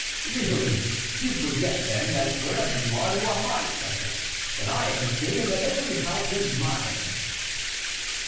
"Really, you forget, then, that wherever you are, you are my subject; that I am the king, and that every house is mine."